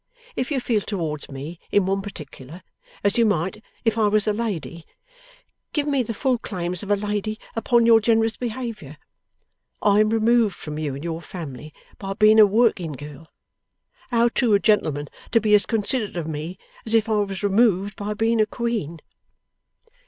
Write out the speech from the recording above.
If you feel towards me, in one particular, as you might if I was a lady, give me the full claims of a lady upon your generous behaviour. I am removed from you and your family by being a working girl. How true a gentleman to be as considerate of me as if I was removed by being a Queen!